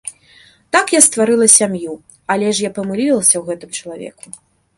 Так я стварыла сям'ю, але ж я памылілася ў гэтым чалавеку!